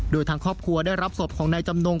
โดยทางครอบครัวได้รับศพของนายจำนง